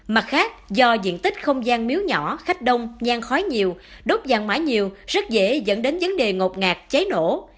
mặt khác do diện tích không gian miếu nhỏ khách đông nhang khói nhiều đốt vàng mã nhiều rất dễ dẫn đến vấn đề ngột ngạc cháy nổ